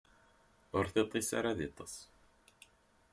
Ur tiṭ-is ara ad iṭṭes.